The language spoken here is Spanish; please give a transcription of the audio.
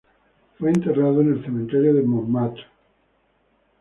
Fue enterrado en el cementerio de Montmartre.